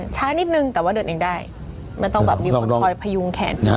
ช้านิดนึงแต่ว่าเดินเองได้มันต้องแบบมีคนคอยพยุงแขน